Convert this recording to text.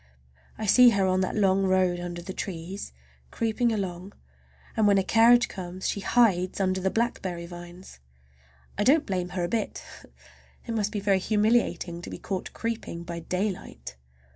I see her on that long road under the trees, creeping along, and when a carriage comes she hides under the blackberry vines. I don't blame her a bit. It must be very humiliating to be caught creeping by daylight!